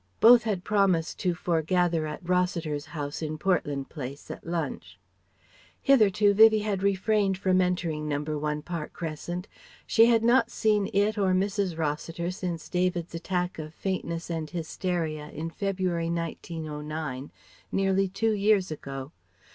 Both had promised to foregather at Rossiter's house in Portland Place at lunch. Hitherto Vivie had refrained from entering No. 1 Park Crescent. She had not seen it or Mrs. Rossiter since David's attack of faintness and hysteria in February, 1909, nearly two years ago.